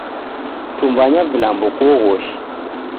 Tumbanya vilambo kuoghoshe.